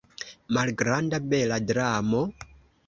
Malgranda bela dramo?